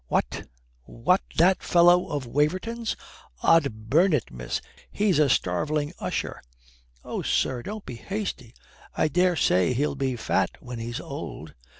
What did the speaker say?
"What, what, that fellow of Waverton's? Od burn it, miss, he's a starveling usher." "Oh, sir, don't be hasty. I dare say he'll be fat when he's old."